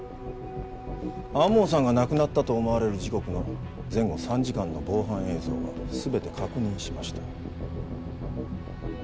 天羽さんが亡くなったと思われる時刻の前後３時間の防犯映像は全て確認しました。